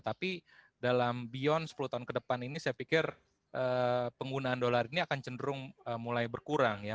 tapi dalam beyond sepuluh tahun ke depan ini saya pikir penggunaan dolar ini akan cenderung mulai berkurang ya